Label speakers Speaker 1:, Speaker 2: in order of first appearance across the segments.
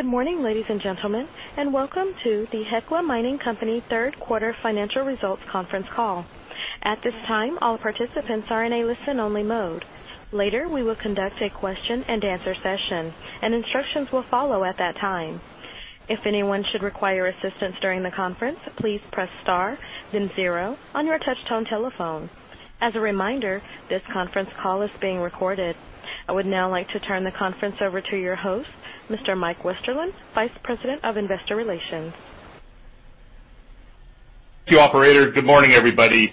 Speaker 1: Good morning, ladies and gentlemen, and welcome to the Hecla Mining Company third quarter financial results conference call. At this time, all participants are in a listen-only mode. Later, we will conduct a question and answer session, and instructions will follow at that time. If anyone should require assistance during the conference, please press star then zero on your touch-tone telephone. As a reminder, this conference call is being recorded. I would now like to turn the conference over to your host, Mr. Mike Westerlund, Vice President of Investor Relations.
Speaker 2: Thank you, operator. Good morning, everybody.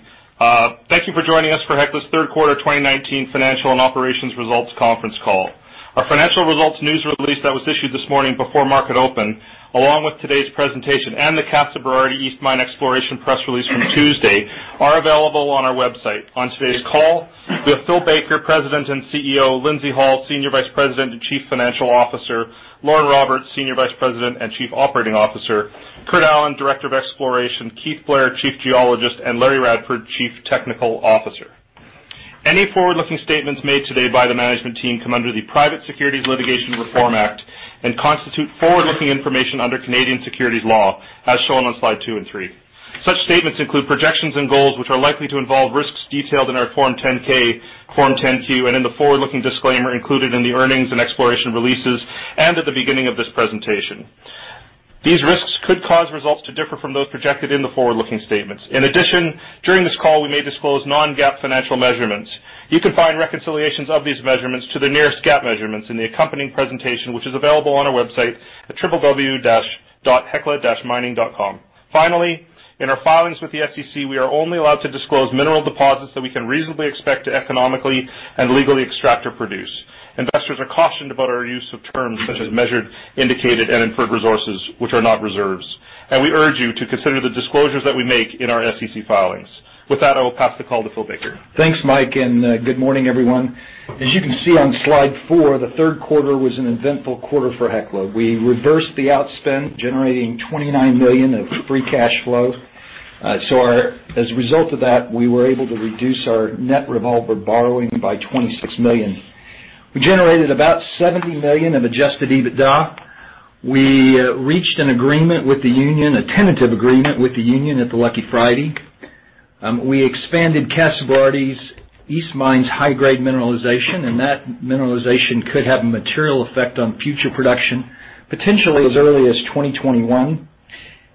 Speaker 2: Thank you for joining us for Hecla's third quarter 2019 financial and operations results conference call. Our financial results news release that was issued this morning before market open, along with today's presentation and the Casa Berardi East Mine exploration press release from Tuesday, are available on our website. On today's call, we have Phil Baker, President and CEO, Lindsay Hall, Senior Vice President and Chief Financial Officer, Lauren Roberts, Senior Vice President and Chief Operating Officer, Kurt Allen, Director of Exploration, Keith Blair, Chief Geologist, and Larry Radford, Chief Technical Officer. Any forward-looking statements made today by the management team come under the Private Securities Litigation Reform Act and constitute forward-looking information under Canadian securities law, as shown on slide two and three. Such statements include projections and goals which are likely to involve risks detailed in our Form 10-K, Form 10-Q, and in the forward-looking disclaimer included in the earnings and exploration releases, and at the beginning of this presentation. These risks could cause results to differ from those projected in the forward-looking statements. In addition, during this call, we may disclose non-GAAP financial measurements. You can find reconciliations of these measurements to the nearest GAAP measurements in the accompanying presentation, which is available on our website at www.hecla-mining.com. Finally, in our filings with the SEC, we are only allowed to disclose mineral deposits that we can reasonably expect to economically and legally extract or produce. Investors are cautioned about our use of terms such as measured, indicated, and inferred resources, which are not reserves. We urge you to consider the disclosures that we make in our SEC filings. With that, I will pass the call to Phil Baker.
Speaker 3: Thanks, Mike, and good morning, everyone. As you can see on slide four, the third quarter was an eventful quarter for Hecla. We reversed the outspend, generating $29 million of free cash flow. As a result of that, we were able to reduce our net revolver borrowing by $26 million. We generated about $70 million of adjusted EBITDA. We reached an agreement with the union, a tentative agreement with the union at the Lucky Friday. We expanded Casa Berardi's East Mine's high-grade mineralization, and that mineralization could have a material effect on future production, potentially as early as 2021.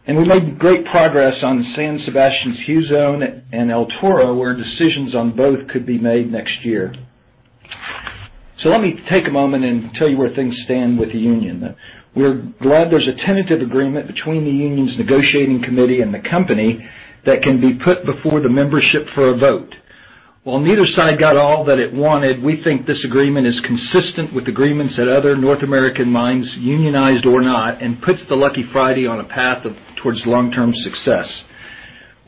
Speaker 3: We made great progress on San Sebastian's Hugh Zone and El Toro, where decisions on both could be made next year. Let me take a moment and tell you where things stand with the union. We're glad there's a tentative agreement between the union's negotiating committee and the company that can be put before the membership for a vote. While neither side got all that it wanted, we think this agreement is consistent with agreements at other North American mines, unionized or not, and puts the Lucky Friday on a path towards long-term success.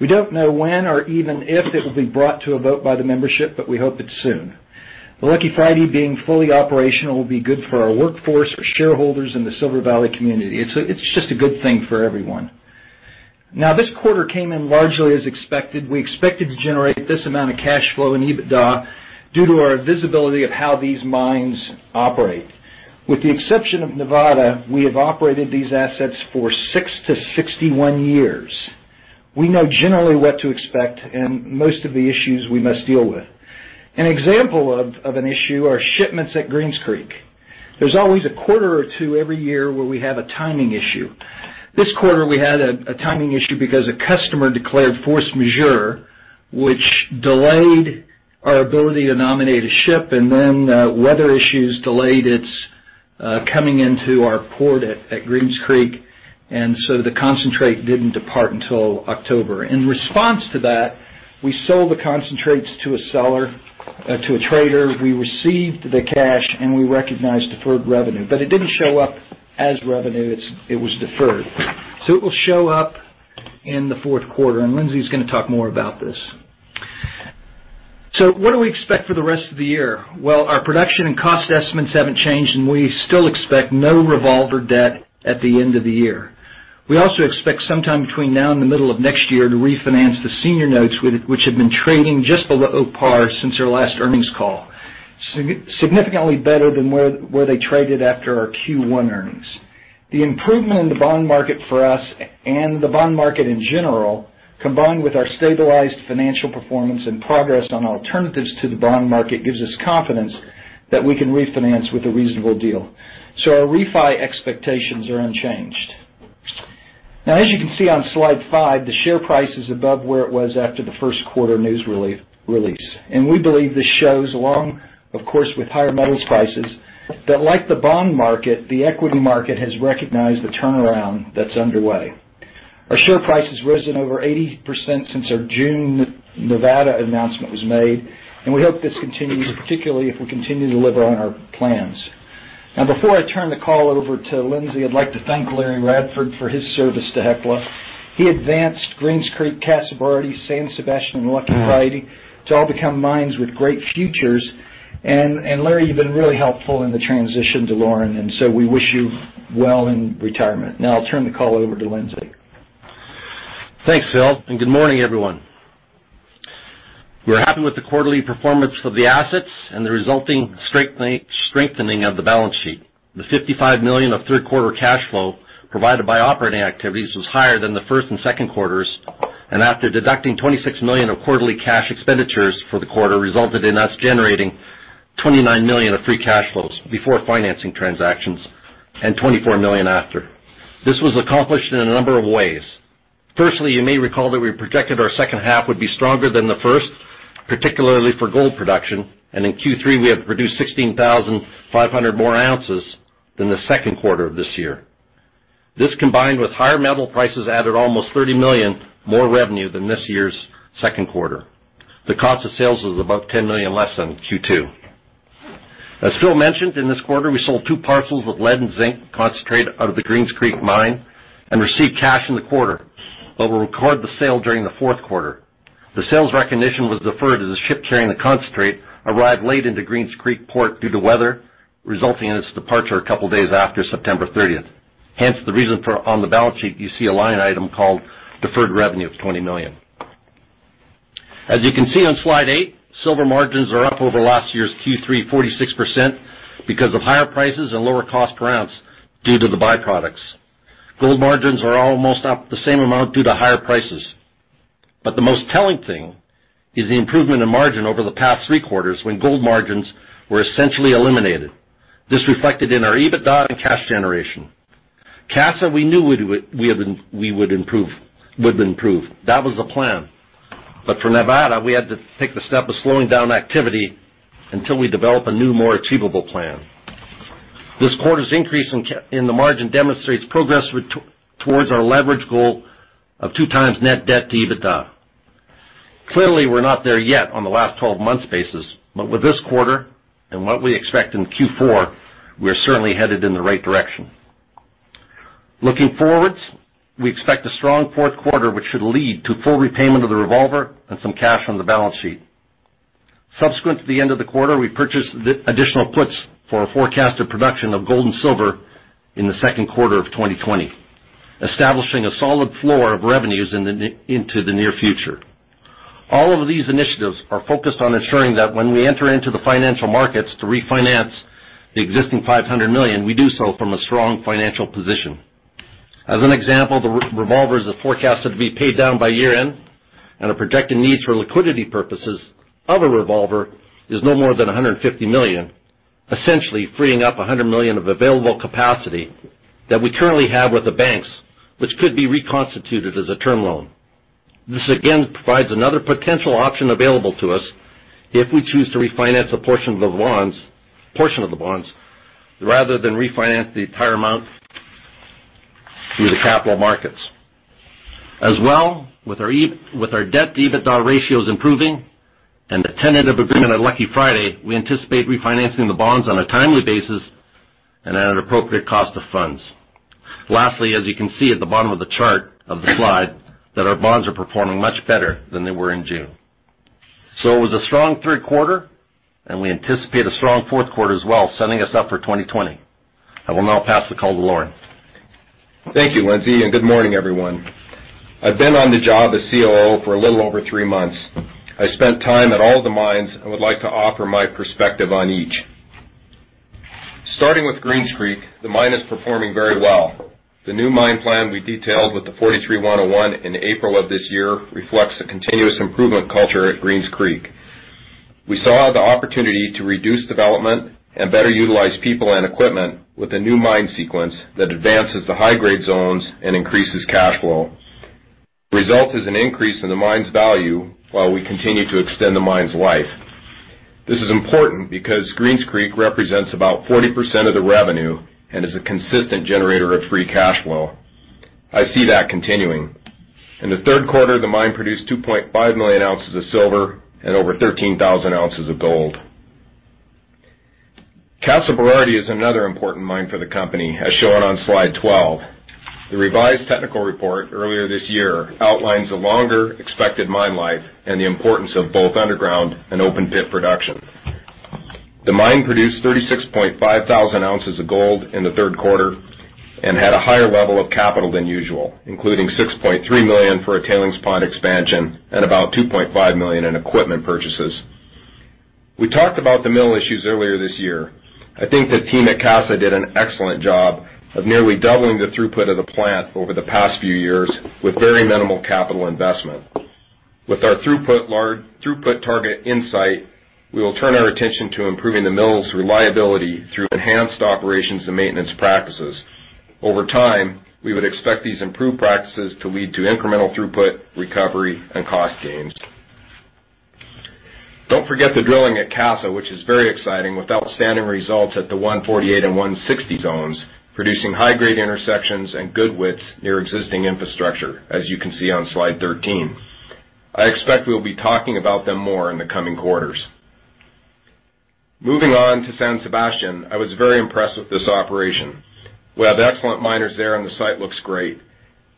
Speaker 3: We don't know when or even if it will be brought to a vote by the membership, we hope it's soon. The Lucky Friday being fully operational will be good for our workforce, for shareholders, and the Silver Valley community. It's just a good thing for everyone. This quarter came in largely as expected. We expected to generate this amount of cash flow and EBITDA due to our visibility of how these mines operate. With the exception of Nevada, we have operated these assets for six to 61 years. We know generally what to expect and most of the issues we must deal with. An example of an issue are shipments at Greens Creek. There's always a quarter or two every year where we have a timing issue. This quarter, we had a timing issue because a customer declared force majeure, which delayed our ability to nominate a ship, and then weather issues delayed its coming into our port at Greens Creek, and so the concentrate didn't depart until October. In response to that, we sold the concentrates to a trader, we received the cash, and we recognized deferred revenue. It didn't show up as revenue. It was deferred. It will show up in the fourth quarter, and Lindsay's going to talk more about this. What do we expect for the rest of the year? Well, our production and cost estimates haven't changed, and we still expect no revolver debt at the end of the year. We also expect sometime between now and the middle of next year to refinance the senior notes, which have been trading just below par since our last earnings call. Significantly better than where they traded after our Q1 earnings. The improvement in the bond market for us and the bond market in general, combined with our stabilized financial performance and progress on alternatives to the bond market, gives us confidence that we can refinance with a reasonable deal. Our refi expectations are unchanged. Now, as you can see on slide five, the share price is above where it was after the first quarter news release. We believe this shows, along, of course, with higher metals prices, that like the bond market, the equity market has recognized the turnaround that's underway. Our share price has risen over 80% since our June Nevada announcement was made, and we hope this continues, particularly if we continue to deliver on our plans. Before I turn the call over to Lindsay, I'd like to thank Larry Radford for his service to Hecla. He advanced Greens Creek, Casa Berardi, San Sebastian, and Lucky Friday to all become mines with great futures. Larry, you've been really helpful in the transition to Lauren, and so we wish you well in retirement. I'll turn the call over to Lindsay.
Speaker 4: Thanks, Phil, and good morning, everyone. We're happy with the quarterly performance of the assets and the resulting strengthening of the balance sheet. The $55 million of third quarter cash flow provided by operating activities was higher than the first and second quarters, and after deducting $26 million of quarterly cash expenditures for the quarter, resulted in us generating $29 million of free cash flows before financing transactions, and $24 million after. This was accomplished in a number of ways. Firstly, you may recall that we projected our second half would be stronger than the first, particularly for gold production, and in Q3, we have produced 16,500 more ounces than the second quarter of this year. This, combined with higher metal prices, added almost $30 million more revenue than this year's second quarter. The cost of sales was about $10 million less than Q2. As Phil mentioned, in this quarter, we sold two parcels of lead and zinc concentrate out of the Greens Creek mine and received cash in the quarter. We'll record the sale during the fourth quarter. The sales recognition was deferred as the ship carrying the concentrate arrived late into Greens Creek Port due to weather, resulting in its departure a couple days after September 30th, hence the reason for on the balance sheet, you see a line item called deferred revenue of $20 million. As you can see on slide eight, silver margins are up over last year's Q3, 46%, because of higher prices and lower cost per ounce due to the byproducts. Gold margins are almost up the same amount due to higher prices. The most telling thing is the improvement in margin over the past three quarters when gold margins were essentially eliminated. This reflected in our EBITDA and cash generation. Casa, we knew would improve. That was the plan. For Nevada, we had to take the step of slowing down activity until we develop a new, more achievable plan. This quarter's increase in the margin demonstrates progress towards our leverage goal of two times net debt to EBITDA. Clearly, we're not there yet on the last 12 months basis, but with this quarter and what we expect in Q4, we are certainly headed in the right direction. Looking forwards, we expect a strong fourth quarter, which should lead to full repayment of the revolver and some cash on the balance sheet. Subsequent to the end of the quarter, we purchased additional puts for our forecasted production of gold and silver in the second quarter of 2020, establishing a solid floor of revenues into the near future. All of these initiatives are focused on ensuring that when we enter into the financial markets to refinance the existing $500 million, we do so from a strong financial position. As an example, the revolvers are forecasted to be paid down by year-end, and our projected needs for liquidity purposes of a revolver is no more than $150 million, essentially freeing up $100 million of available capacity that we currently have with the banks, which could be reconstituted as a term loan. This again provides another potential option available to us if we choose to refinance a portion of the bonds, rather than refinance the entire amount through the capital markets. With our debt to EBITDA ratios improving and the tentative agreement at Lucky Friday, we anticipate refinancing the bonds on a timely basis and at an appropriate cost of funds. Lastly, as you can see at the bottom of the chart of the slide, that our bonds are performing much better than they were in June. It was a strong third quarter, and we anticipate a strong fourth quarter as well, setting us up for 2020. I will now pass the call to Lauren.
Speaker 5: Thank you, Lindsay, and good morning, everyone. I've been on the job as COO for a little over three months. I spent time at all the mines and would like to offer my perspective on each. Starting with Greens Creek, the mine is performing very well. The new mine plan we detailed with the 43-101 in April of this year reflects the continuous improvement culture at Greens Creek. We saw the opportunity to reduce development and better utilize people and equipment with a new mine sequence that advances the high-grade zones and increases cash flow. The result is an increase in the mine's value while we continue to extend the mine's life. This is important because Greens Creek represents about 40% of the revenue and is a consistent generator of free cash flow. I see that continuing. In the third quarter, the mine produced 2.5 million ounces of silver and over 13,000 ounces of gold. Casa Berardi is another important mine for the company, as shown on slide 12. The revised technical report earlier this year outlines a longer expected mine life and the importance of both underground and open pit production. The mine produced 36.5 thousand ounces of gold in the third quarter and had a higher level of capital than usual, including $6.3 million for a tailings pond expansion and about $2.5 million in equipment purchases. We talked about the mill issues earlier this year. I think the team at Casa did an excellent job of nearly doubling the throughput of the plant over the past few years with very minimal capital investment. With our throughput target in sight, we will turn our attention to improving the mill's reliability through enhanced operations and maintenance practices. Over time, we would expect these improved practices to lead to incremental throughput, recovery, and cost gains. Don't forget the drilling at Casa, which is very exciting with outstanding results at the 148 and 160 zones, producing high-grade intersections and good widths near existing infrastructure, as you can see on slide 13. I expect we'll be talking about them more in the coming quarters. Moving on to San Sebastian, I was very impressed with this operation. We have excellent miners there, and the site looks great.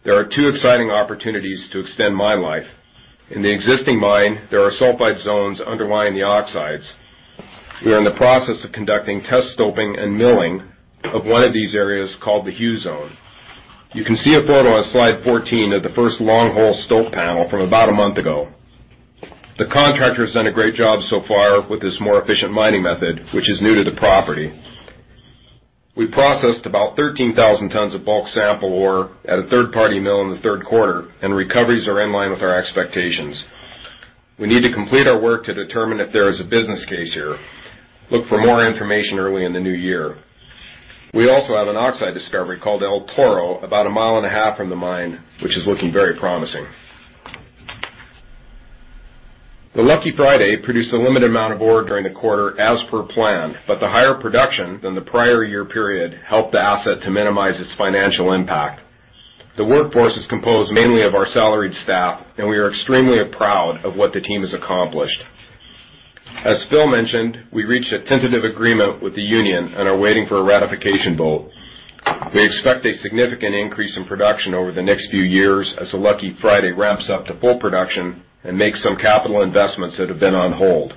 Speaker 5: There are two exciting opportunities to extend mine life. In the existing mine, there are sulfide zones underlying the oxides. We are in the process of conducting test stoping and milling of one of these areas called the Hugh Zone. You can see a photo on slide 14 of the first long hole stope panel from about a month ago. The contractor has done a great job so far with this more efficient mining method, which is new to the property. We processed about 13,000 tons of bulk sample ore at a third-party mill in the third quarter. Recoveries are in line with our expectations. We need to complete our work to determine if there is a business case here. Look for more information early in the new year. We also have an oxide discovery called El Toro about a mile and a half from the mine, which is looking very promising. The Lucky Friday produced a limited amount of ore during the quarter as per plan. The higher production than the prior year period helped the asset to minimize its financial impact. The workforce is composed mainly of our salaried staff. We are extremely proud of what the team has accomplished. As Phil mentioned, we reached a tentative agreement with the union and are waiting for a ratification vote. We expect a significant increase in production over the next few years as the Lucky Friday ramps up to full production and makes some capital investments that have been on hold.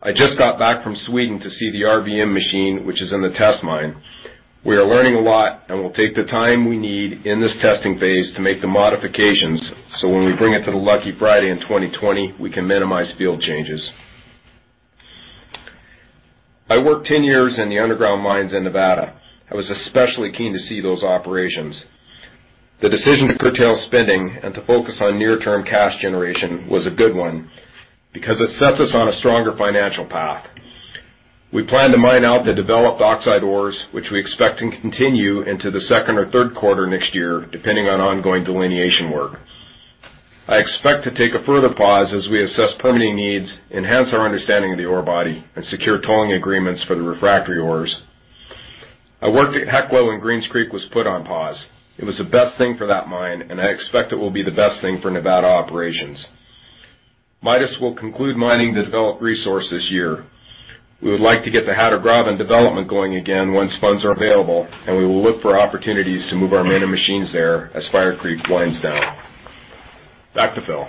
Speaker 5: I just got back from Sweden to see the RVM machine, which is in the test mine. We are learning a lot and will take the time we need in this testing phase to make the modifications, so when we bring it to the Lucky Friday in 2020, we can minimize field changes. I worked 10 years in the underground mines in Nevada. I was especially keen to see those operations. The decision to curtail spending and to focus on near-term cash generation was a good one because it sets us on a stronger financial path. We plan to mine out the developed oxide ores, which we expect to continue into the second or third quarter next year, depending on ongoing delineation work. I expect to take a further pause as we assess permitting needs, enhance our understanding of the ore body, and secure tolling agreements for the refractory ores. I worked at Hecla when Greens Creek was put on pause. It was the best thing for that mine, and I expect it will be the best thing for Nevada operations. Midas will conclude mining the developed resource this year. We would like to get the Hatter Graben development going again once funds are available, and we will look for opportunities to move our manned and machines there as Fire Creek winds down. Back to Phil.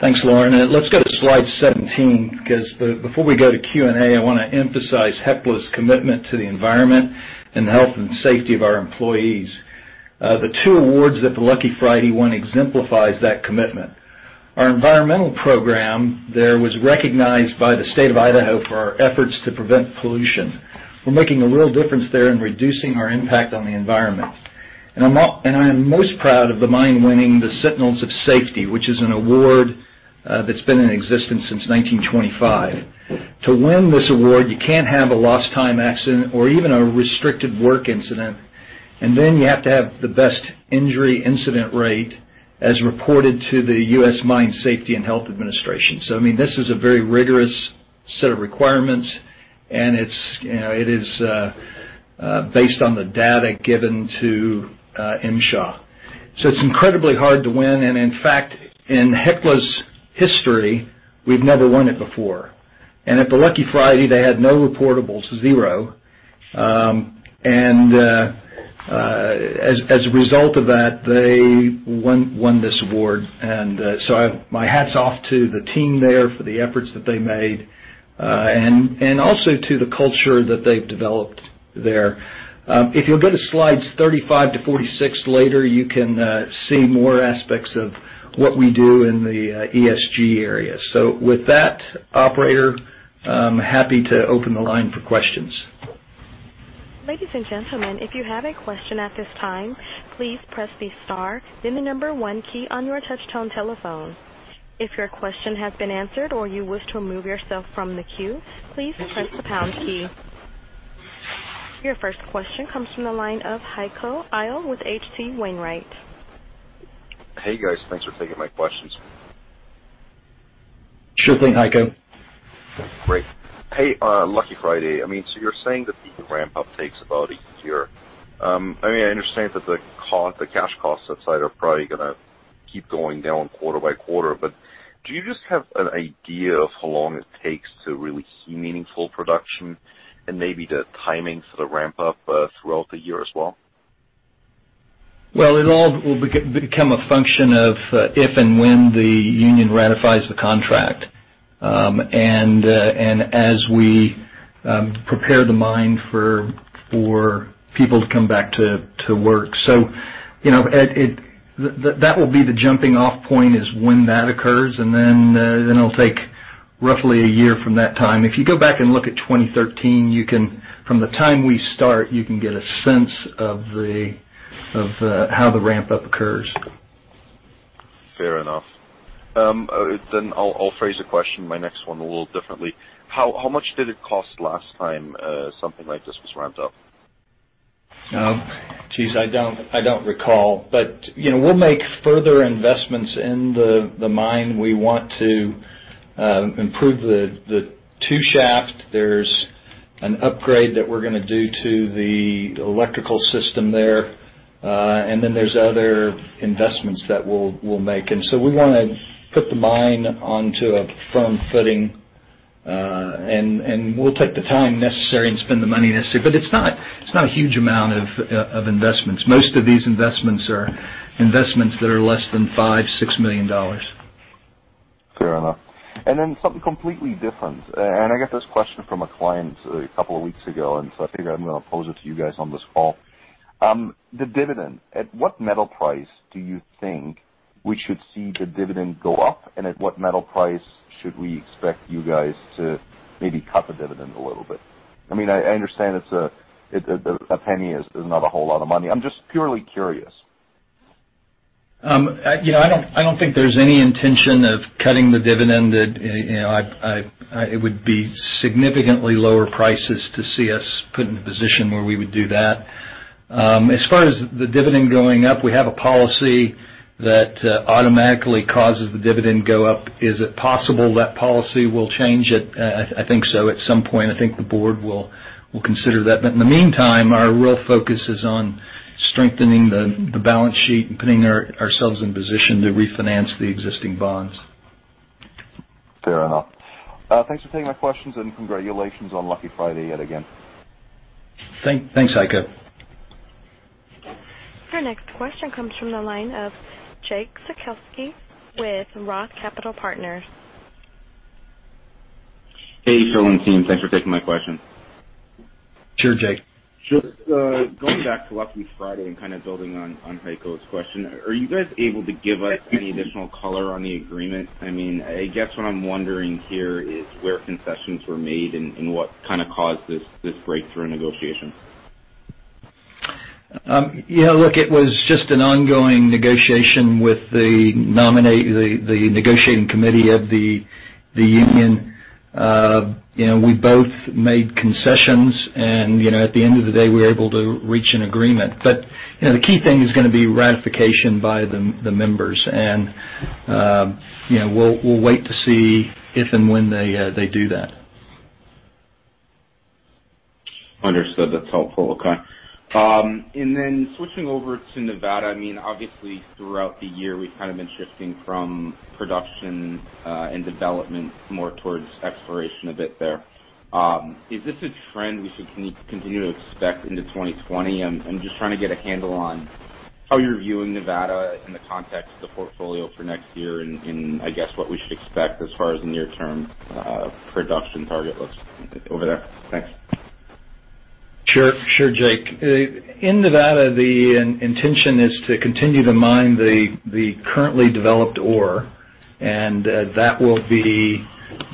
Speaker 3: Thanks, Lauren. Let's go to slide 17, because before we go to Q&A, I want to emphasize Hecla's commitment to the environment and the health and safety of our employees. The two awards that the Lucky Friday won exemplifies that commitment. Our environmental program there was recognized by the state of Idaho for our efforts to prevent pollution. We're making a real difference there in reducing our impact on the environment. I am most proud of the mine winning the Sentinels of Safety, which is an award that's been in existence since 1925. To win this award, you can't have a lost time accident or even a restricted work incident, you have to have the best injury incident rate as reported to the U.S. Mine Safety and Health Administration. This is a very rigorous set of requirements, and it is based on the data given to MSHA. It's incredibly hard to win, and in fact, in Hecla's history, we've never won it before. At the Lucky Friday, they had no reportables, zero. As a result of that, they won this award. My hat's off to the team there for the efforts that they made, and also to the culture that they've developed there. If you'll go to slides 35 to 46 later, you can see more aspects of what we do in the ESG area. With that, operator, I'm happy to open the line for questions.
Speaker 1: Ladies and gentlemen, if you have a question at this time, please press the star, then the number one key on your touchtone telephone. If your question has been answered or you wish to remove yourself from the queue, please press the pound key. Your first question comes from the line of Heiko Ihle with H.C. Wainwright & Co.
Speaker 6: Hey, guys. Thanks for taking my questions.
Speaker 3: Sure thing, Heiko.
Speaker 6: Great. Hey, Lucky Friday, you're saying that the ramp up takes about a year. I understand that the cash costs outside are probably going to keep going down quarter by quarter, do you just have an idea of how long it takes to really see meaningful production and maybe the timing for the ramp up throughout the year as well?
Speaker 3: Well, it all will become a function of if and when the union ratifies the contract, and as we prepare the mine for people to come back to work. That will be the jumping off point is when that occurs, and then it'll take roughly a year from that time. If you go back and look at 2013, from the time we start, you can get a sense of how the ramp up occurs.
Speaker 6: Fair enough. I'll phrase the question, my next one, a little differently. How much did it cost last time something like this was ramped up?
Speaker 3: Jeez, I don't recall. We'll make further investments in the mine. We want to improve the No. 2 shaft. There's an upgrade that we're going to do to the electrical system there. Then there's other investments that we'll make, and so we want to put the mine onto a firm footing, and we'll take the time necessary and spend the money necessary. It's not a huge amount of investments. Most of these investments are investments that are less than $5 million-$6 million.
Speaker 6: Then something completely different. I got this question from a client a couple of weeks ago, so I figure I'm going to pose it to you guys on this call. The dividend, at what metal price do you think we should see the dividend go up? At what metal price should we expect you guys to maybe cut the dividend a little bit? I understand $0.01 is not a whole lot of money. I'm just purely curious.
Speaker 3: I don't think there's any intention of cutting the dividend. It would be significantly lower prices to see us put in a position where we would do that. As far as the dividend going up, we have a policy that automatically causes the dividend go up. Is it possible that policy will change? I think so. At some point, I think the board will consider that. In the meantime, our real focus is on strengthening the balance sheet and putting ourselves in position to refinance the existing bonds.
Speaker 6: Fair enough. Thanks for taking my questions. Congratulations on Lucky Friday yet again.
Speaker 3: Thanks, Heiko.
Speaker 1: Our next question comes from the line of Jake Cieszkowski with Roth Capital Partners.
Speaker 7: Hey, Phil and team. Thanks for taking my question.
Speaker 3: Sure, Jake.
Speaker 7: Just going back to Lucky Friday and kind of building on Heiko's question, are you guys able to give us any additional color on the agreement? I guess what I'm wondering here is where concessions were made and what kind of caused this breakthrough negotiation.
Speaker 3: Yeah, look, it was just an ongoing negotiation with the negotiating committee of the union. We both made concessions, and at the end of the day, we were able to reach an agreement. The key thing is going to be ratification by the members. We'll wait to see if and when they do that.
Speaker 7: Understood. That's helpful. Okay. Switching over to Nevada, obviously throughout the year, we've kind of been shifting from production and development more towards exploration a bit there. Is this a trend we should continue to expect into 2020? I'm just trying to get a handle on how you're viewing Nevada in the context of the portfolio for next year and, I guess, what we should expect as far as the near-term production target looks over there. Thanks.
Speaker 3: Sure, Jake. In Nevada, the intention is to continue to mine the currently developed ore, and that will be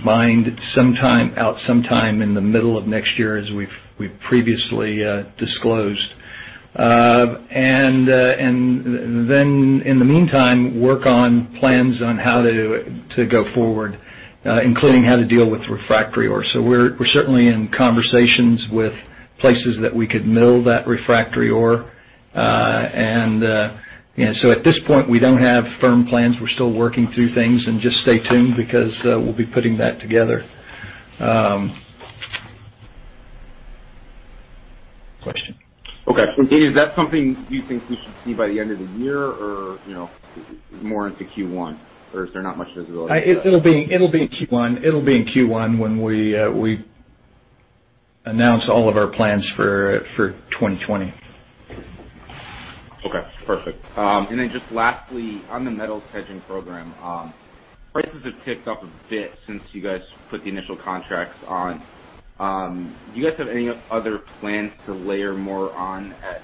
Speaker 3: mined out sometime in the middle of next year, as we've previously disclosed. In the meantime, work on plans on how to go forward, including how to deal with refractory ore. We're certainly in conversations with places that we could mill that refractory ore. At this point, we don't have firm plans. We're still working through things and just stay tuned because we'll be putting that together. Question.
Speaker 7: Okay. Is that something you think we should see by the end of the year or more into Q1, or is there not much visibility?
Speaker 3: It'll be in Q1 when we announce all of our plans for 2020.
Speaker 7: Okay, perfect. Then just lastly, on the metals hedging program, prices have ticked up a bit since you guys put the initial contracts on. Do you guys have any other plans to layer more on at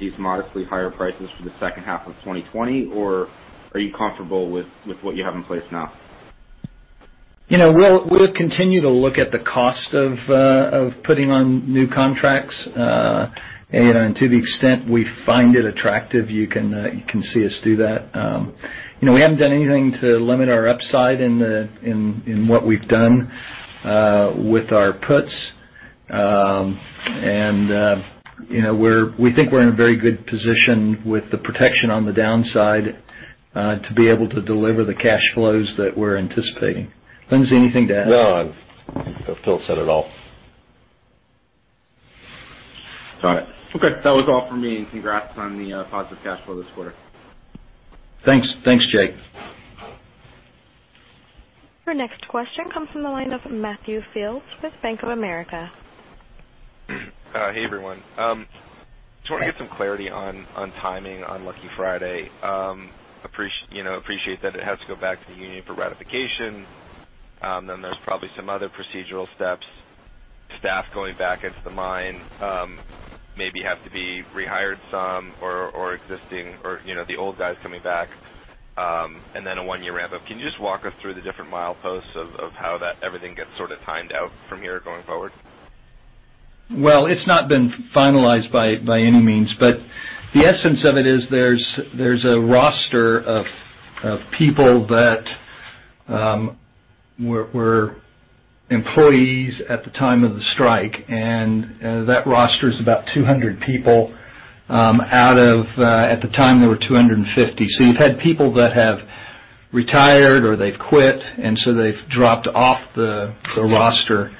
Speaker 7: these modestly higher prices for the second half of 2020? Are you comfortable with what you have in place now?
Speaker 3: We'll continue to look at the cost of putting on new contracts. To the extent we find it attractive, you can see us do that. We haven't done anything to limit our upside in what we've done with our puts. We think we're in a very good position with the protection on the downside to be able to deliver the cash flows that we're anticipating. Lindsay, anything to add?
Speaker 4: No. Phil said it all.
Speaker 7: Got it. Okay. That was all for me. Congrats on the positive cash flow this quarter.
Speaker 3: Thanks, Jake.
Speaker 1: Your next question comes from the line of Matthew Fields with Bank of America.
Speaker 8: Hey, everyone. Just want to get some clarity on timing on Lucky Friday. Appreciate that it has to go back to the union for ratification. There's probably some other procedural steps, staff going back into the mine, maybe have to be rehired some, or the old guys coming back, and then a one-year ramp-up. Can you just walk us through the different mileposts of how that everything gets sort of timed out from here going forward?
Speaker 3: Well, it's not been finalized by any means, but the essence of it is there's a roster of people that were employees at the time of the strike, and that roster is about 200 people out of, at the time, there were 250. You've had people that have retired or they've quit, and so they've dropped off the roster.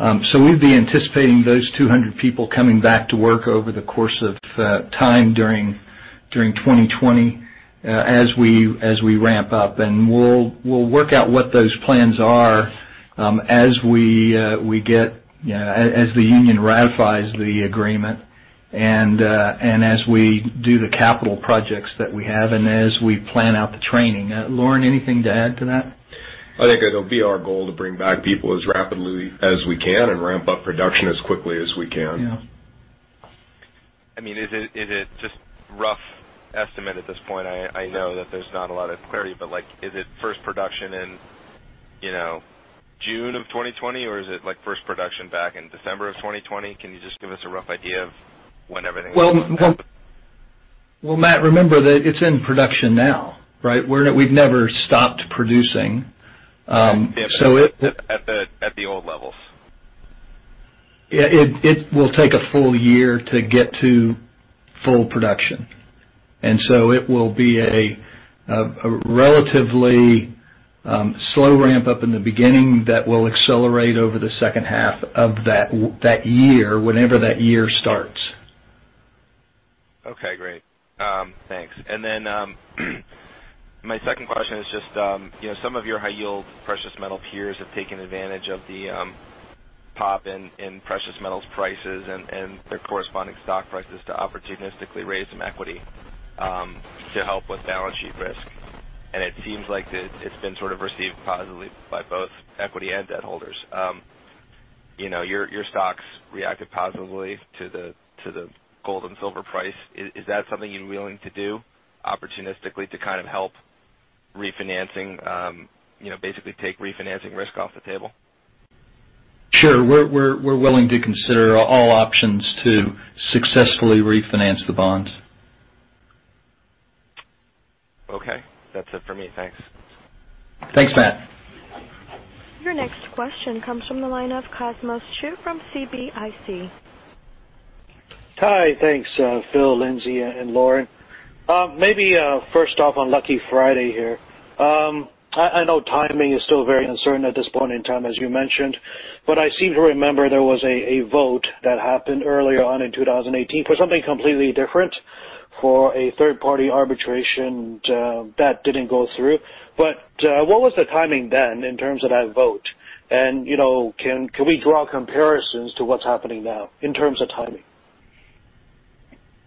Speaker 3: We'd be anticipating those 200 people coming back to work over the course of time during 2020 as we ramp up, and we'll work out what those plans are. As the union ratifies the agreement, and as we do the capital projects that we have, and as we plan out the training. Lauren, anything to add to that?
Speaker 5: I think it'll be our goal to bring back people as rapidly as we can and ramp up production as quickly as we can.
Speaker 3: Yeah.
Speaker 8: Is it just rough estimate at this point? I know that there's not a lot of clarity, but is it first production in June of 2020, or is it first production back in December of 2020? Can you just give us a rough idea of when everything will be up?
Speaker 3: Well, Matt, remember that it's in production now, right? We've never stopped producing.
Speaker 8: Yeah. At the old levels.
Speaker 3: It will take a full year to get to full production, and so it will be a relatively slow ramp-up in the beginning that will accelerate over the second half of that year, whenever that year starts.
Speaker 8: Okay, great. Thanks. Then my second question is just, some of your high-yield precious metal peers have taken advantage of the pop in precious metals prices and their corresponding stock prices to opportunistically raise some equity to help with balance sheet risk. It seems like it's been sort of received positively by both equity and debt holders. Your stocks reacted positively to the gold and silver price. Is that something you're willing to do opportunistically to kind of help refinancing, basically take refinancing risk off the table?
Speaker 3: Sure. We're willing to consider all options to successfully refinance the bonds.
Speaker 8: Okay. That's it for me. Thanks.
Speaker 3: Thanks, Matt.
Speaker 1: Your next question comes from the line of Cosmos Chiu from CIBC.
Speaker 9: Hi. Thanks, Phil, Lindsay, and Lauren. Maybe first off on Lucky Friday here. I know timing is still very uncertain at this point in time, as you mentioned, but I seem to remember there was a vote that happened early on in 2018 for something completely different for a third-party arbitration that didn't go through. What was the timing then in terms of that vote? Can we draw comparisons to what's happening now in terms of timing?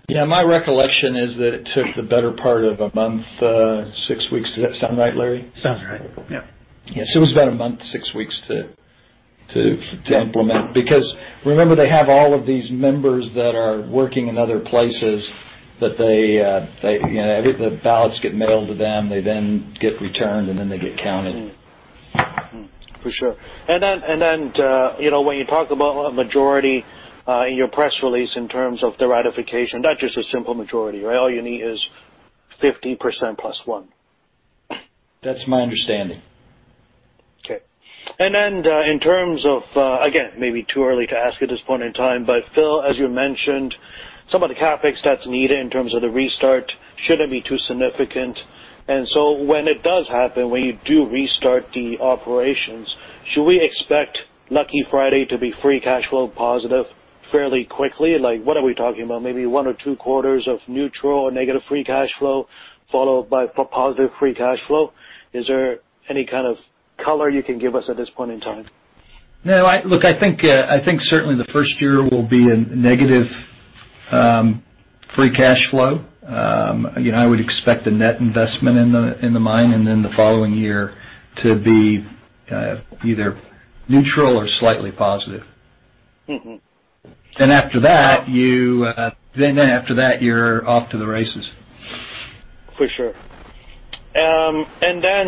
Speaker 3: Yeah. My recollection is that it took the better part of a month, six weeks. Does that sound right, Larry?
Speaker 10: Sounds right. Yep.
Speaker 3: Yes. It was about a month, six weeks to implement, because remember, they have all of these members that are working in other places. The ballots get mailed to them, they then get returned, and then they get counted.
Speaker 9: For sure. Then when you talk about majority in your press release in terms of the ratification, not just a simple majority, right? All you need is 50% plus one.
Speaker 3: That's my understanding.
Speaker 9: Okay. In terms of, again, maybe too early to ask at this point in time. Phil, as you mentioned, some of the CapEx that's needed in terms of the restart shouldn't be too significant. When it does happen, when you do restart the operations, should we expect Lucky Friday to be free cash flow positive fairly quickly? What are we talking about? Maybe one or two quarters of neutral or negative free cash flow followed by positive free cash flow? Is there any kind of color you can give us at this point in time?
Speaker 3: No, look, I think certainly the first year will be a negative free cash flow. I would expect a net investment in the mine and then the following year to be either neutral or slightly positive. After that, you're off to the races.
Speaker 9: For sure. Then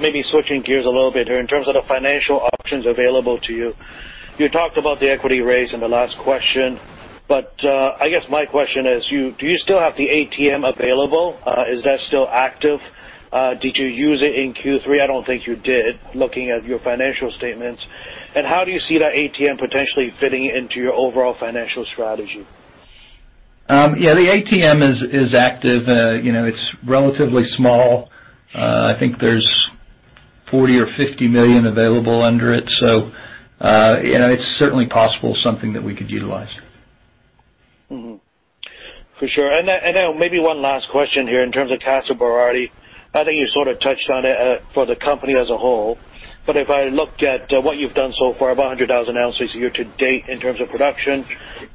Speaker 9: maybe switching gears a little bit here in terms of the financial options available to you. You talked about the equity raise in the last question, but I guess my question is, do you still have the ATM available? Is that still active? Did you use it in Q3? I don't think you did, looking at your financial statements. How do you see that ATM potentially fitting into your overall financial strategy?
Speaker 3: Yeah, the ATM is active. It's relatively small. I think there's $40 or $50 million available under it. It's certainly possible something that we could utilize.
Speaker 9: Mm-hmm. For sure, maybe one last question here in terms of Casa Berardi. I think you sort of touched on it for the company as a whole, but if I looked at what you've done so far, about 100,000 ounces year to date in terms of production.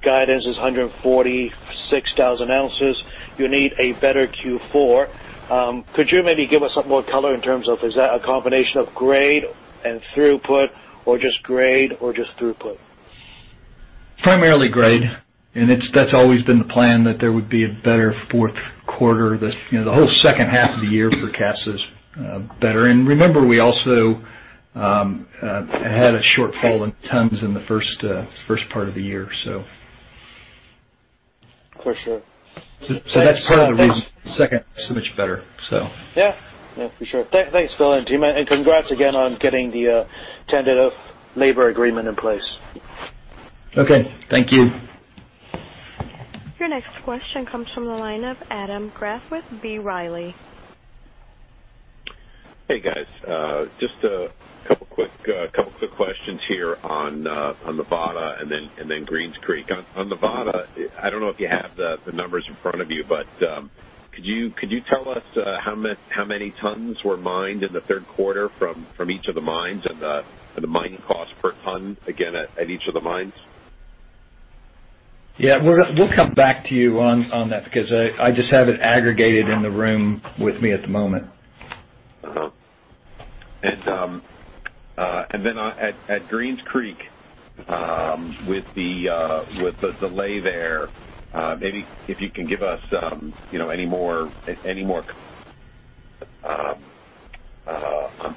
Speaker 9: Guidance is 146,000 ounces. You need a better Q4. Could you maybe give us some more color in terms of, is that a combination of grade and throughput or just grade or just throughput?
Speaker 3: Primarily grade. That's always been the plan that there would be a better fourth quarter. The whole second half of the year for Casa's better. Remember, we also had a shortfall in tons in the first part of the year.
Speaker 9: For sure.
Speaker 3: That's part of the reason the second is so much better.
Speaker 9: Yeah. For sure. Thanks, Phil and team. Congrats again on getting the tentative labor agreement in place.
Speaker 3: Okay. Thank you.
Speaker 1: Your next question comes from the line of Adam Graf with B. Riley.
Speaker 11: Hey, guys. Just a couple quick questions here on Nevada and then Greens Creek. Nevada, I don't know if you have the numbers in front of you, but could you tell us how many tons were mined in the third quarter from each of the mines and the mining cost per ton, again, at each of the mines?
Speaker 3: Yeah. We'll come back to you on that because I just have it aggregated in the room with me at the moment.
Speaker 11: At Greens Creek, with the delay there, maybe if you can give us any more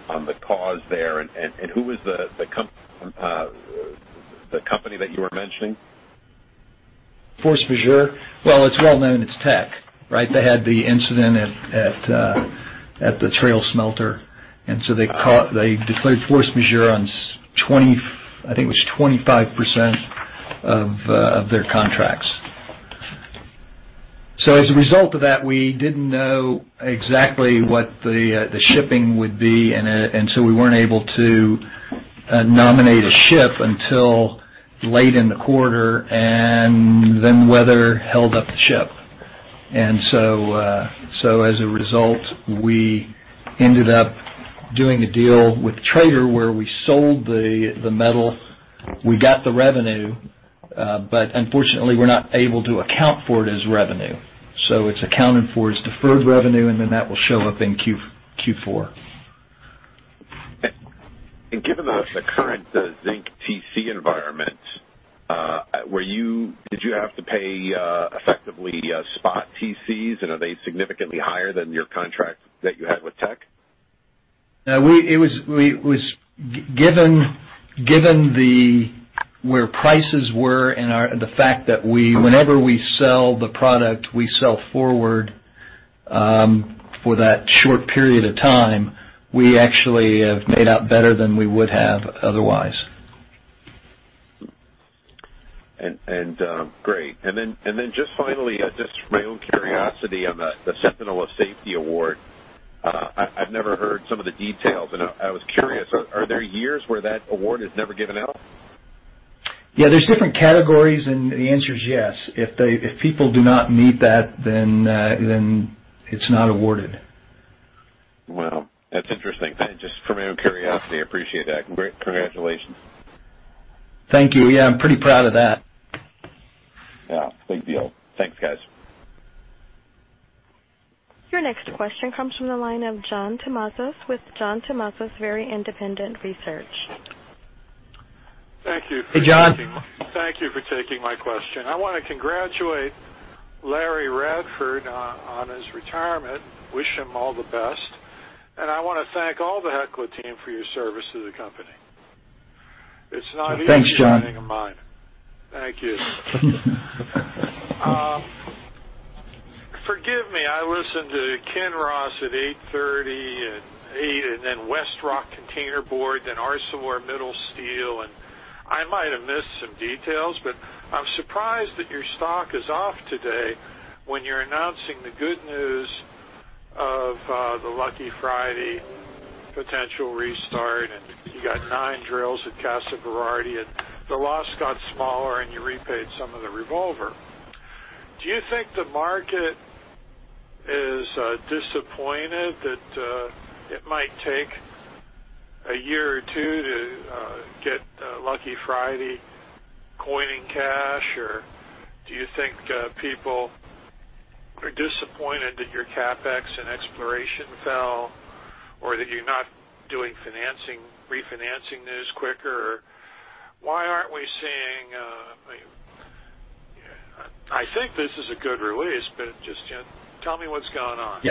Speaker 11: on the cause there and who was the company that you were mentioning?
Speaker 3: Force majeure. Well, it's well-known, it's Teck. They had the incident at the Trail smelter. They declared force majeure on, I think it was 25% of their contracts. As a result of that, we didn't know exactly what the shipping would be we weren't able to nominate a ship until late in the quarter, weather held up the ship. As a result, we ended up doing a deal with a trader where we sold the metal. We got the revenue, but unfortunately, we're not able to account for it as revenue. It's accounted for as deferred revenue, that will show up in Q4.
Speaker 11: Given the current zinc TC environment, did you have to pay effectively spot TCs and are they significantly higher than your contract that you had with Teck?
Speaker 3: Given where prices were and the fact that whenever we sell the product, we sell forward for that short period of time, we actually have made out better than we would have otherwise.
Speaker 11: Great. Then just finally, just my own curiosity on the Sentinels of Safety Award. I've never heard some of the details, and I was curious, are there years where that award is never given out?
Speaker 3: Yeah, there's different categories, and the answer is yes. If people do not meet that, then it's not awarded.
Speaker 11: Wow, that's interesting. Just from my own curiosity, I appreciate that. Great. Congratulations.
Speaker 3: Thank you. Yeah, I'm pretty proud of that.
Speaker 11: Yeah. Big deal. Thanks, guys.
Speaker 1: Your next question comes from the line of John Tumazos with John Tumazos Very Independent Research.
Speaker 3: Hey, John.
Speaker 12: Thank you for taking my question. I want to congratulate Larry Radford on his retirement. Wish him all the best. I want to thank all the Hecla team for your service to the company.
Speaker 3: Thanks, John.
Speaker 12: mining a mine. Thank you. Forgive me, I listened to Kinross at 8:30 and then WestRock Containerboard, then ArcelorMittal Steel, and I might have missed some details, but I'm surprised that your stock is off today when you're announcing the good news of the Lucky Friday potential restart, and you got nine drills at Casa Berardi, and the loss got smaller, and you repaid some of the revolver. Do you think the market is disappointed that it might take a year or two to get Lucky Friday coining cash? Do you think people are disappointed that your CapEx and exploration fell or that you're not doing refinancing news quicker? I think this is a good release, but just tell me what's going on.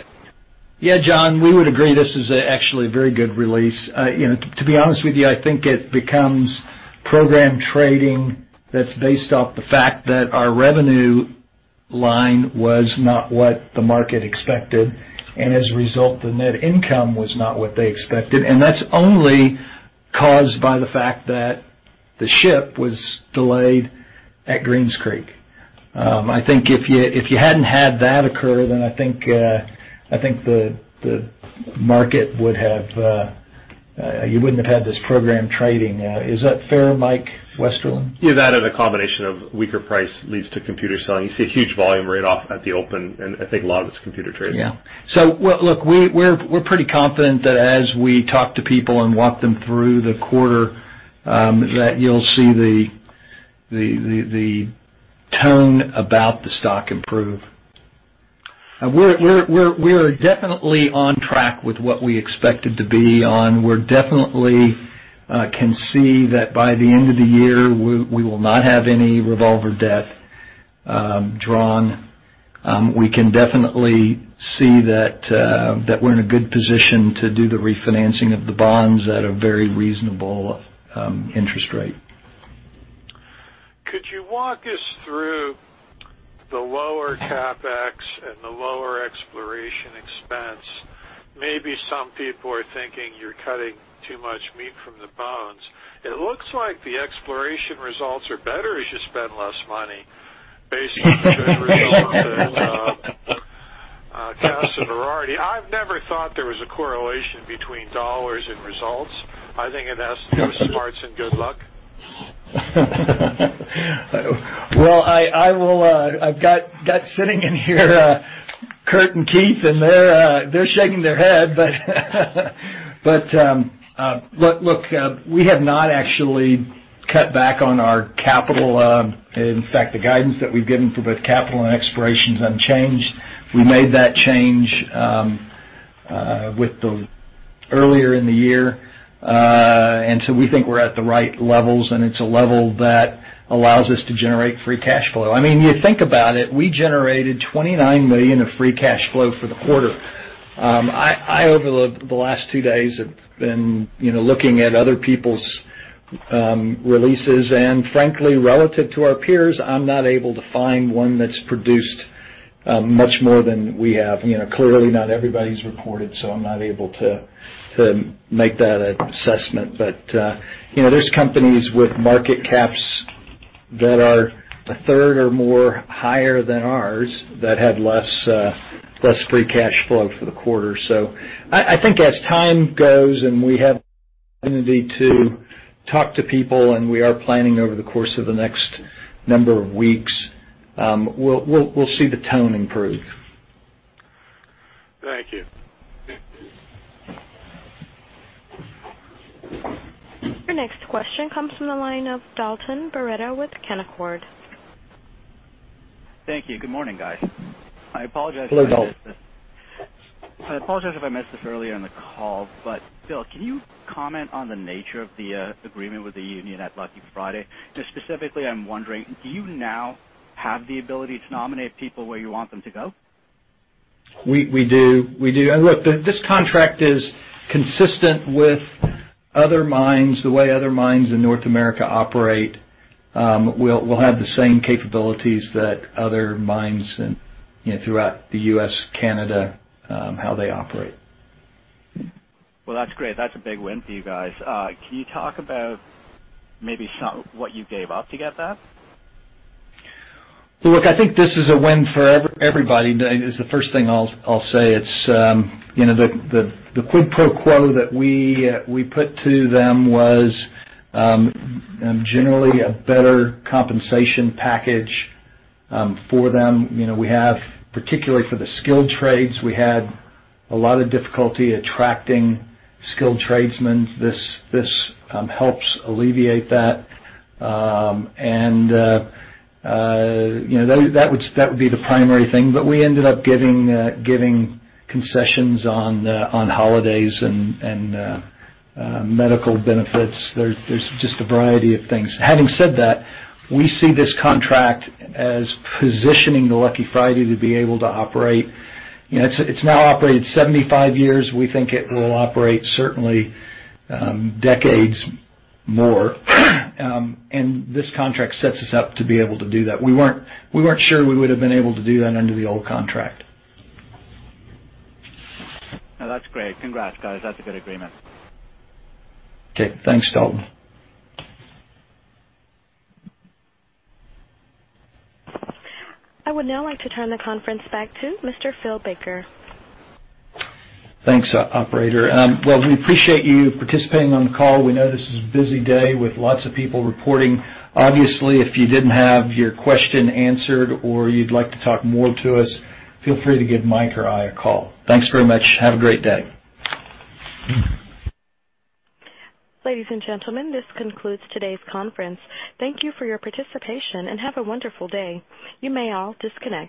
Speaker 3: John, we would agree this is actually a very good release. To be honest with you, I think it becomes program trading that's based off the fact that our revenue line was not what the market expected, and as a result, the net income was not what they expected, and that's only caused by the fact that the ship was delayed at Greens Creek. I think if you hadn't had that occur, then I think You wouldn't have had this program trading. Is that fair, Mike Westerlund?
Speaker 2: Yeah, that and a combination of weaker price leads to computer selling. You see a huge volume right off at the open, and I think a lot of it's computer trading.
Speaker 3: Look, we're pretty confident that as we talk to people and walk them through the quarter, that you'll see the tone about the stock improve. We're definitely on track with what we expected to be on. We definitely can see that by the end of the year, we will not have any revolver debt drawn. We can definitely see that we're in a good position to do the refinancing of the bonds at a very reasonable interest rate.
Speaker 12: Could you walk us through the lower CapEx and the lower exploration expense? Maybe some people are thinking you're cutting too much meat from the bones. It looks like the exploration results are better as you spend less money based on good results at Casa Berardi. I've never thought there was a correlation between dollars and results. I think it has to do with smarts and good luck.
Speaker 3: Well, I've got sitting in here Kurt and Keith, and they're shaking their head. Look, we have not actually cut back on our capital. In fact, the guidance that we've given for both capital and exploration is unchanged. We made that change earlier in the year. We think we're at the right levels, and it's a level that allows us to generate free cash flow. You think about it, we generated $29 million of free cash flow for the quarter. I, over the last two days, have been looking at other people's releases, and frankly, relative to our peers, I'm not able to find one that's produced much more than we have. Clearly, not everybody's reported, so I'm not able to make that assessment. There's companies with market caps that are a third or more higher than ours that had less free cash flow for the quarter. I think as time goes and we have the opportunity to talk to people, and we are planning over the course of the next number of weeks, we'll see the tone improve.
Speaker 12: Thank you.
Speaker 1: Your next question comes from the line of Dalton Baretto with Canaccord.
Speaker 13: Thank you. Good morning, guys.
Speaker 3: Hello, Dalton.
Speaker 13: I apologize if I missed this earlier in the call, but Phil, can you comment on the nature of the agreement with the union at Lucky Friday? Just specifically, I'm wondering, do you now have the ability to nominate people where you want them to go?
Speaker 3: We do. Look, this contract is consistent with other mines, the way other mines in North America operate. We'll have the same capabilities that other mines throughout the U.S., Canada, how they operate.
Speaker 13: Well, that's great. That's a big win for you guys. Can you talk about maybe what you gave up to get that?
Speaker 3: Look, I think this is a win for everybody. It's the first thing I'll say. The quid pro quo that we put to them was generally a better compensation package for them. Particularly for the skilled trades, we had a lot of difficulty attracting skilled tradesmen. This helps alleviate that. That would be the primary thing. We ended up giving concessions on holidays and medical benefits. There's just a variety of things. Having said that, we see this contract as positioning the Lucky Friday to be able to operate. It's now operated 75 years. We think it will operate certainly decades more. This contract sets us up to be able to do that. We weren't sure we would've been able to do that under the old contract.
Speaker 13: No, that's great. Congrats, guys. That's a good agreement.
Speaker 3: Okay. Thanks, Dalton.
Speaker 1: I would now like to turn the conference back to Mr. Phil Baker.
Speaker 3: Thanks, operator. Well, we appreciate you participating on the call. We know this is a busy day with lots of people reporting. Obviously, if you didn't have your question answered or you'd like to talk more to us, feel free to give Mike or I a call. Thanks very much. Have a great day.
Speaker 1: Ladies and gentlemen, this concludes today's conference. Thank you for your participation, and have a wonderful day. You may all disconnect.